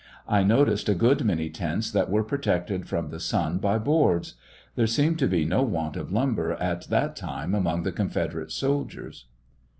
I noticed a good many tents that were protected from the sun by boards. There seemed to be no want of lumber at that time among the confederate soldiers.